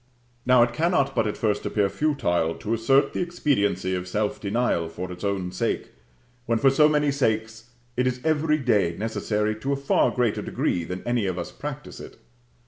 Now, it cannot but at first appear futile to assert the expediency of self denial for its own sake, when, for so many sakes, it is every day necessary to a far greater degree than any of us practise it.